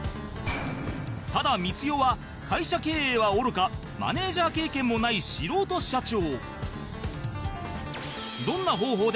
ただ光代は会社経営はおろかマネジャー経験もない素人社長